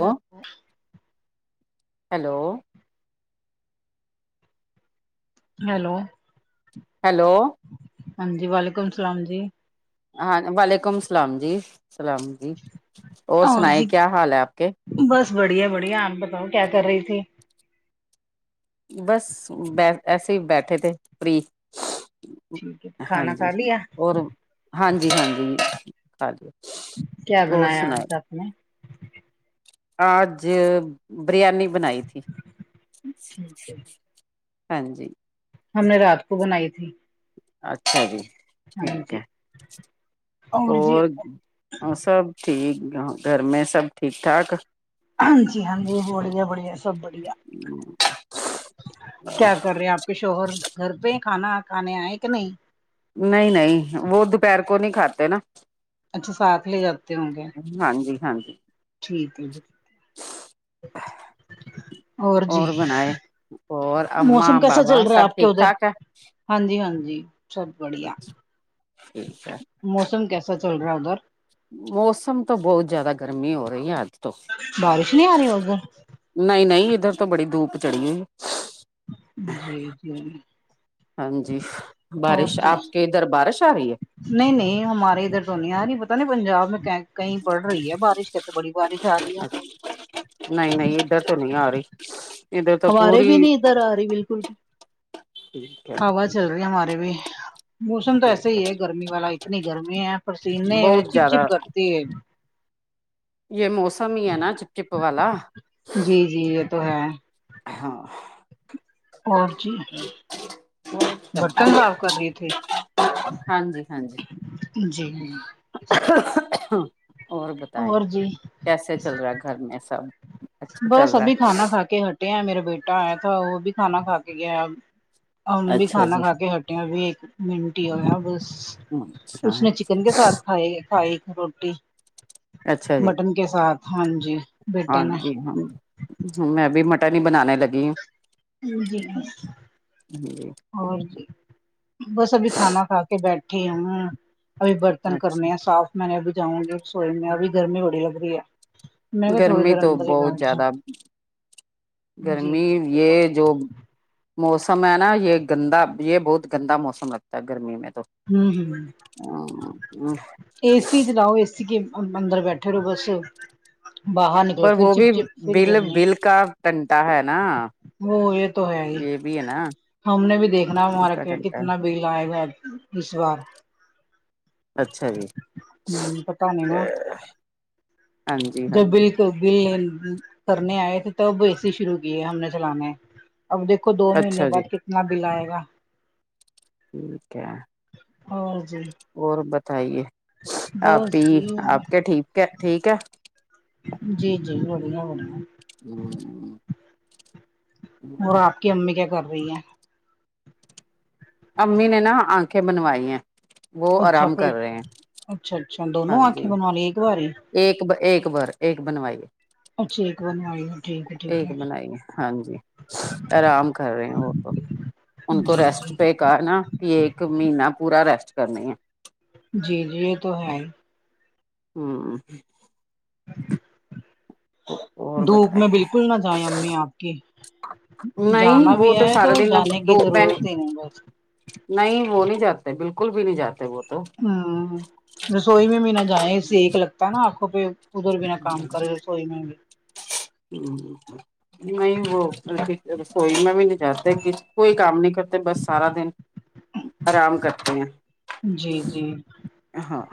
و hello hello hello ہاں جی وعلیکم السلام جی ہاں ولیکم سلام جی سلام جی اور سنائے کیا حال ہے آپ کے بس بڑھیا بڑھیا آپ بتاؤ کیا کر رہی تھی بس ب ایسے ہی بیٹھے تھے فری ٹھیک ہے ہاں کھانا جی کھا لیا اور ہاں جی ہاں جی کا ل کیا اور بنایا سناۓ آج آپ نے آج بریانی بنائی تھی ٹھیک ہے ہاں جی ہم نے رات کو بنائی تھی اچھا جی ہاں ٹھیک جی ہے اور اور سب ٹھیک گھر میں سب ٹھیک ٹھاک جی ہاں جی بڑھیا بڑھیا سب بڑھیا کیا کر رہے آپ شوہر گھر پہ کھانا کھانے آئے کہ نہیں نہیں نہیں وہ دوپہر کو نہیں کھاتے نا اچھا ساتھ لے جاتے ہوں گے ہاں جی ہاں جی ٹھیک ہے ج ہ اور بناائے اور موسم اما کیسا بابا چل رہا ہے سب آپ کے ٹھیک ادھر ٹھاک ہے ہاں جی ہاں جی سب بڑھیا ٹھیک ہے موسم کیسا چل رہا ہے ادھر موسم تو بہت زیادہ گرمی ہو رہی ہے اج تو بارش نہیں آ رہی اگن نہیں نہیں ادھر تو بڑی دھوپ چڑی ہو جی جی ہاں جی اور بارش جی آپ کے ادھر بارش آ رہی ہے نہیں نہیں ہمارے ادھر تو نہیں پتا نہیں پنجاب میں کہیں پڑ رہی ہے بارش کے تو بڑی بارش آ رہی ہے ادھرتو نہیں آ رہی ادھر تو ہمارے بھی پوری نہیں ادھر آ رہی بالکل ٹھیک ہے ہوا چل رہی ہمارے بھی موسم تو ایسے ٹھیک ہی ہے گرمی والا اتنی گرمی ہے ہے پسینے بہت چپ چپ زیادہ کرٹتی ہے یہ موسم ہی ہے نا چپ چپ والا جی جی یہ تو ہے ہاں اور جی برتن صاف کر رہے تھے ہاں جی ہاں جی جی اور بتائے اور جی کیسے چل رہا ہے گھر میں سب اچھا چل بس رہا ابھی کھانا کھا کے ہٹے ہیں میرا بیٹا آیا تھا وہ بھی کھانا کھا کے گیاب ا ہے بھی اچھا کھانا جی کا کے ہٹیا بھی ایک منٹ ہی ہویا بس اس اچھا نے چکن کے ساتھھ کھائی روٹی اچھا جی مٹن کے ساتھ ہاں جی بیٹن جی ہاں ہم میں ابھی مٹن ہی بنانے لگی ہ جی ج جی اور بس ابھی کھانا کھا کے بیٹھے ہیں ابھی برتن اچھا کرنے ہیں صاف میں نے اب جاؤں گی رسوئی میں ابھی گرمی بڑی لگ رہی ہے میں بھی تھوڑی گرمی دیر تو اندر ہی بہت بیٹھ جاؤں زیادہ جی گرمی یہ ہوں جو موسم ہے نا یہ گندا یہ بہت گندا موسم لگتا ہے گرمی میں تو ہوں ہوں اے س چلاؤ اےسی کے اندر بیٹھے رہو بس باہر نکلو پر پھر وہ بھی چپ چپ پھر بل گرمی بل کا ٹنٹا ہے نا وہ یہ تو ہے ہی یہ بھی ہے نا ہم نے بھی دیکھنا بل ہمارا کا کیا ٹنٹا کتنا بیل آئے گا اس بار اچھا جی ہ پتا نہیں نا ہاں جی ہاں جب جی بل بل کرنے آئے تھے تب اے سی شروع کیے ہم نے چلانے اب دیکھو دو مہینے اچھا جی بعد کتنا بل آئے گا ٹھیک ہے اور جی اور بتائیے آپپی بس جی آپ کے ٹھیک ہے ٹھیک ہے جی جی بڑیا بڑیا ہے اور آپ کی امی کیا کر رہی ہیں امی نے نا آنکھیں بنوائی ہیں وہ اچھا آرام پ کر رہے ہیں اچھا اچھا ہاں دونوں جی آنکھیں بن لیی ایک باری ایک ایک بھر ایک بنوائیے اچھا ایک بنوائی ہو ٹھیک ہے ٹھیک ایک بنائی ہے ہاں جی آرام کر رہے ہیں وہ تو ان کو جی جی ریسٹ پہ کہ نا پ ایک مہیننا پورا ریسٹ کرنی ہے جی جی یہ تو ہے ہاں اور دھوپ بتائیں میں بالکل نہ جائیں امی آپ کی جانا نہیں بھی وہ ہے تو سارا دن اب جانے کی دو بہن ضرورت ہی نہیں بس نہیں وہ نہیں جاتے بالکل بھی نہیں جاتے وہ تو ہوں رسوئی میں بھی نہ جائیں سیک لگتا ہے نا آنکھوں پہ ادھر بنا کام کرے رسوئی میں بھی ہ نہیں وہ ہیک رسوئی میں بھی جتے کوئی کام نہیں کرتے بس سارا دن آرام کرتے ہیں جی جی ہاں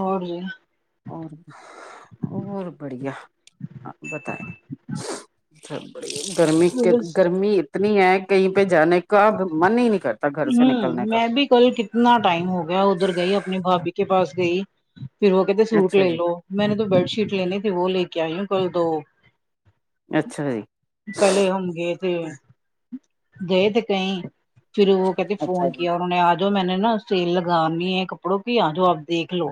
اور جی اور اور بڑھیا آپ بتائے [unintelligible] گرمی کے بس گرمی اتنی ہے کہیں پے جانے کا من ہی نہیں کرتا گھر سے ہوں نکلنے کا میں بھی کل کتنا ٹائم ہو گیا ادھر گئی اپنی بھابی کے پاس گئی پھر وہ کہتے سوٹ اچھا لے جی لو میں نے تو بیڈ شیٹ لینی تھی وہ لے کے آئی ہوں کل دو اچھا جی پہلے ہم گے تھے گئے تھے کہیں پھر وہ کہتے اچھا فون جی کیا انہوں نے آج جو میں نے نا سیل لگانی ہے کپڑوں کی آجاؤ آپ دیکھ لو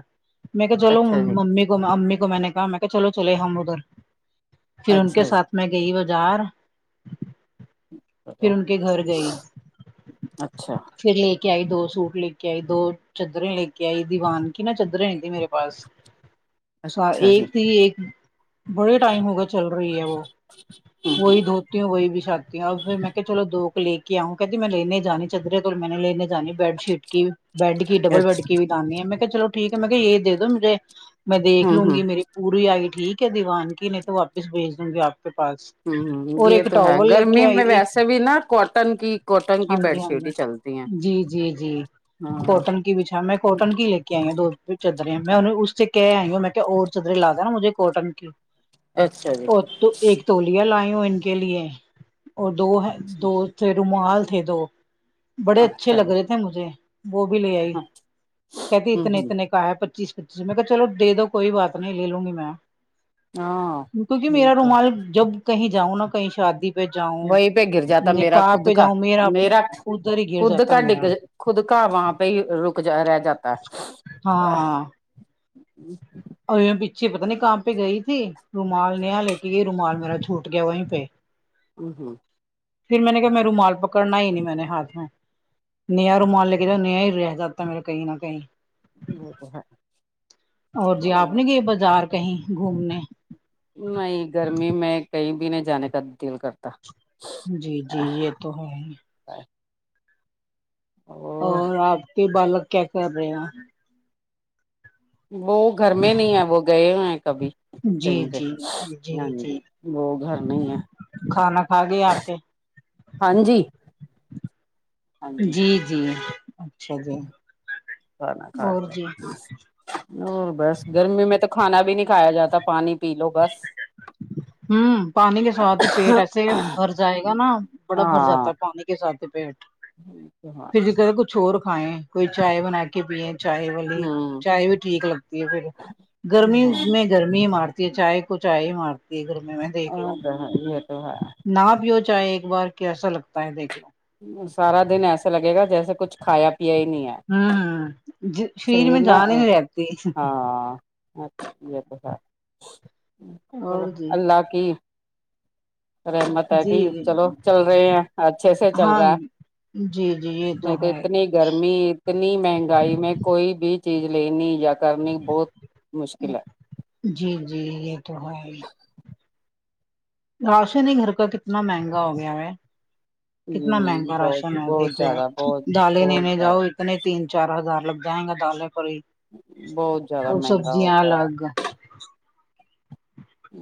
میں کا چلو اچھا جی ممی کو امی کو میں نے کہا میں کہا چلو چلے ہم ادھر پھر ان کے اچھا جی ساتھ میں گئی بازار پھر چلو ان کے گھر گئے اچھا پھر ایک کے آئی دو سوٹ لے کے آئی دو چدریں لے کے آئی دیوان کی نہ چدریں نہیں تھی میرے پاس اچھا ایک تھی ایک بڑے ٹائم ہوگا چل رہی ہے وہ وہی دھوتی ہوں وہی بچھاتی ہوں اور پھر میں دھوکے لے کے آؤں کہتی میں لینے جانی چدرے پھر میں نے لینے جانی بیڈ شیٹ کی بیڈ کی ڈبل بیڈ اچھا کی بھی لانی ہے میں کہا چلو ٹھیک ہے میں یے دے دو مجھے میں دیکھ ہوں لوں ہوں ہوں گی میری پوری آئی ٹھیک ہے دیوان کی نہیں تو واپس بھیج دوں گی آپ کے پاس آمم ہمم اور یے ایک تو ہے ٹاول لے گرمی کے آئی میں ایک ویسے بھی نا کوٹن کی کاٹن کی ہاں جی بیڈ ہاں جی شیٹ ہی چلتی ہیں جی جی جی ہاں کوٹن کی بھیچھا میں کوٹن کی لے کے آئی دو چدریں میں اس سے کہے آئی ہوں میں کیا اور چدرے لا دینا مجھے کوٹن کی اچھا جی اور تو ایک تولیہ لائی ہوں ان کے لیے اور دو وہ ہے دو تھے رومال تھے دو بڑے اچھے اچھا لگ جی رہے تھے مجھے وہ بھی لے آئی کہتی اتنے اتنے کا ہے پچیس پچیس میں کہا چلو دے دو کوئی بات نہیں لے لوں گی میں ہاں ہاں کیونکی میرا ٹھیک ہے رومال جب کہیں جاؤں نا کہیں شادی پے جاؤں پے گر جاتا میرا نکاح خود پہ کا جاؤں میرا ادھر ہی گر خود جاتا کا میرا ڈگل خود کا وہاں پے ہی رک جا رہ جاتا ہے ہاں ہاں اور پچھے پتہ نہیں کہا پے گئی تھی رومال نیا لے کے گئی رومال میرا چھوٹ گیا وہیں پے آمم ہمم پھر میں نے کہا میں رومال پکڑنا ہی نہیں میں نے ہاتھ میں نیا رومال لے کے جاؤ نیا ہی رہ جاتا ہے میرا کہیں نہ کہیں وہ تو ہے اور جی آپ نہیں گئی بازار کہیں گھومنے نہیں گرمی میں کہیں بھی نہیں جانے کا دل کرتا جی جی یے تو ہے اور آپ کے بالک کیا کر رہے ہیں وہ گھر میں نہیں ہے وہ گئے ہے کبھی جی کہیں گئے جی جی نہیں ہے جی وہ گھر نہی ہے کھانا کھا گئے آپ کے ہاں جی جی جی اچھا جی کھانا کھا اور لیا جی اور بس گرمی میں تو کھانا بھی نہیں کھایا جاتا پانی پی لو بس ھمم پانی کے ساتھ ہی پیٹ ایسے بھر جائے گا نا بڑا ہاں بھر جاتا ہاں ہے پانی کے سات پیٹ [unintelligible] پھرز کرل کچھ اور کھائیں کوئی چائے بنا کے پیئے چائے والی ہوں چائے بھی ٹھیک لگتی ہے پھر گرمی ہاں میں گرمی ہی مارتی ہے چائے کو چائے ہی مارتی ہے گرمی میں ہ تو یہ تو ہے نہا پیو چاہے ایک بار کیسا لگتا ہے دیکھ لو سارا دن ایسے لگے گا جیسے کچھ کھایا پیا ہی نہیں ہے ہوں ہوں شریر میں نہ جان ہی نہیں رہتی ہاں اچ یہ تو س چلو اور جی اللہ کی رحمت ہے کہ جی جی چلو چل رہے ہیں اچھے سے چل ہاں رہا ہے ج جی جی یہ تو نہیں ہے اتنی گرمی اتنی مہنگائی میں کوئی بھی چیز لینی جیا کرنی بہت مشکل ہے جی جی یہ تو ہے راشن ہی گھر کا کتنا مہنگا ہو گیا ہے کتنا مہنگا ہ بہت راشن ہے بہت دیکھ لے زیادہ بہت ڈالے بہت لینے زیادہ جاؤ تنے تین چار ہزار لگ جا ہے گا دال ہے پوری بہت زیادہ اور مہنگا ہو سبزیا گیا ہے الگ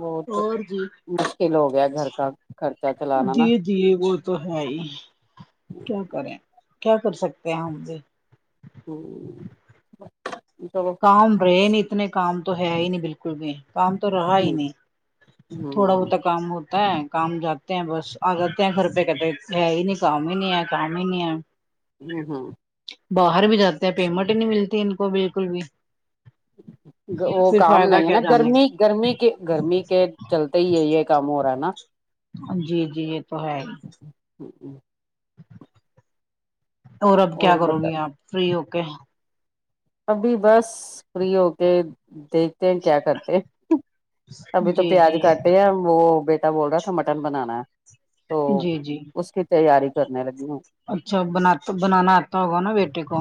بہت اور جی مشکل ہو گیا گھر کا خرچہ چلانا نا جی وہ تو ہے ہی کیا کریں کیا کر سکتے ہیں مجھے ہوں کام رہے نہیں اتنے کام تو ہے ہی نہیں بالکل بھی کام تو رہا ہی ہ نہیں تھوڑا ہ بہتا کام ہوتا ہے کام جات ت بس آگر ت خھر پئے کتے ہے ہی نہیں کام ہی نہیں ہے کام ہی نہیں ہے ہوں ہوں باہر بھی جاتے ہیں پیمنٹ ہی نہیں ملتی ان کو بالکل بھی وہ پھر کام فائدہ نہیں ہے کیا نا جانے گرمی گرمی کے گرمی کے چلتے ہی یہ کام ہو رہا ہے نا جی جی یہ تو ہے ہی ہوں ہوں اور اب کیا کرو گی آپ فری ہو کے ابھی بس فری ہو کے دیکھتے ہیں کیا کرتے ہیں ابھی تو جی پیاز جی کاٹے ہیں وہ بیٹا بول رہا تھا مٹن بنانا تو جی جی اس کی تیاری کرنے لگی ہوں اچھا بنات بنانا آتا ہوگا نا بیٹے کو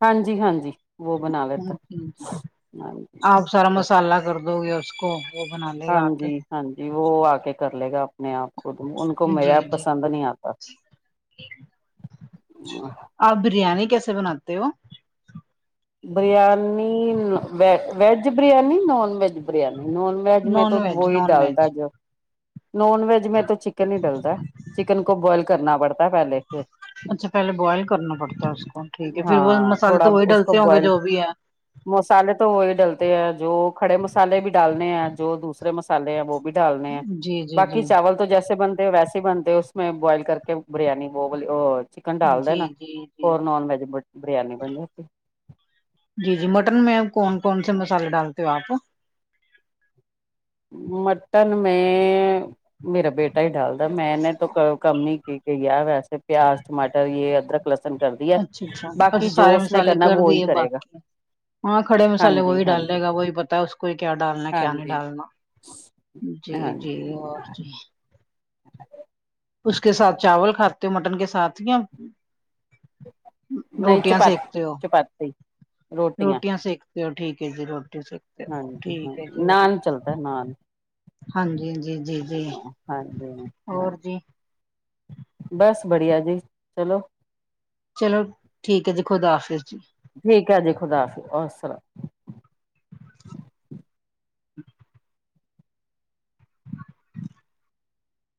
ہاں جی ہاں جی وہ بنا لیتا ہاں ج آپ سارا مسالہ کر دو گے اس کو وہ بنا لے ہاں گا آ کے جی ہاں جی وہ آ کے کر لے گا میں آپ تو کوودوں ان کو جی میرے جی پسند نہیں آتا آپ بریانی کیسے بناتے ہو biryani veg biryani non veg biryani non veg میں تو نان ویج وہی نان ڈال د ویج جو نان ویج میں تو چکن ہی ڈلتا ہے چکن کو بوائل کرنا پڑتا ہے پہلے سے اچھا پہلے بوائل کرنا پڑتا ہے اس کو ٹھیک ہے پھر وہ مسالے تو وہی ڈلتا بائل مسالے تو وہی ڈلتے ہیں جو کھڑے مسالے بھی ڈالنے ہیں جو دوسرے مسالے ہیں وہ بھی ڈالنے ہیں جی جی بقی جی چاول تو جیسے بنتے ہو ویسے بنتے اس میں بوائل کر کے بریانی وہ بول چکن ڈال د جی نا جی جی اور نان ویج بریانی بن جاتتی جی جی مٹن میں کون کون سے مسالے ڈالتے ہو آپ مٹن میں میرا بیٹا ہی ڈال میں نے تو کب کمی کی گئی ہے ویسے پیاز ٹماٹر یے ادرک لہسن سن کردیا اچھا اچھا اچھا باقی جو سارے اس نے مسالے کرنا کر وہ وہی دیے کرے گا باقی ہاں کھڑے ہاں مسالے جی وہی ہاں ڈال دے جی گا وہی پتہ ہے اس کو کیا ڈالنا ہے ہاں کیا نہیں جی ڈالنا جی جی اور جی اس کے ساتھ چاول کھاتے ہو مٹن کے ساتھ یا نہیں روٹیاں چپات چپاتی روٹیاں روٹیا سیکھتے ہو ٹھیک ہے جی روٹی سیکھتے ہو ہاں جی ہاں ٹھیک ہے جی نان چلتا ہے نان ہاں جی جی جی جی ہاں جی ہاں اور جی بس بڑھیا جی چلو چلو ٹھیک ہے جی خدا حافظ جی ٹھیک ہے جی خدا حفظ اور سلام